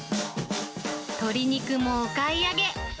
鶏肉もお買い上げ。